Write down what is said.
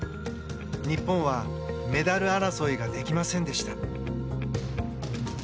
日本はメダル争いができませんでした。